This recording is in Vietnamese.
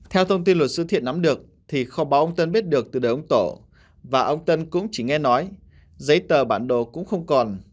theo thông tin luật sư thiện nắm được thì kho báo ông tân biết được từ đời ông tổ và ông tân cũng chỉ nghe nói giấy tờ bản đồ cũng không còn